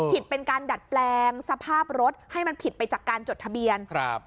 เป็นการดัดแปลงสภาพรถให้มันผิดไปจากการจดทะเบียนครับ